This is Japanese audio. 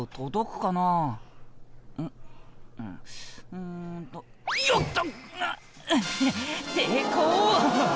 うんとよっと！